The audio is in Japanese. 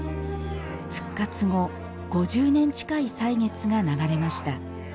復活後、５０年近い歳月が流れました。